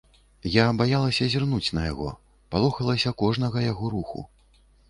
Я баялася зірнуць на яго, палохалася кожнага яго руху.